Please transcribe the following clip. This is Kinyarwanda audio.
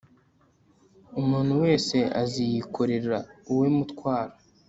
umuntu wese aziyikorera uwe mutwaro